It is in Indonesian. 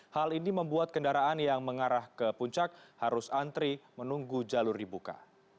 hal ini membuat kendaraan yang mengarah ke puncak harus antri menunggu jalur dibuka